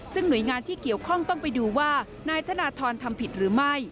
ซึ่งหน่วยงานที่เกี่ยวข้องต้องไปดูว่านายธนทรทำผิดหรือไม่